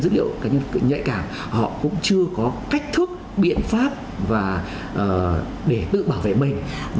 dữ liệu cá nhân nhạy cảng họ cũng chưa có cách thức biện pháp để tự bảo vệ mình